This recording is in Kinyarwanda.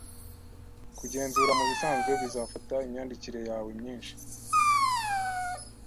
Kugenzura mubisanzwe bizafata imyandikire yawe myinshi